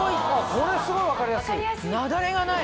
これすごい分かりやすい。